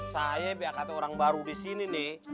saya biar kata orang baru disini nih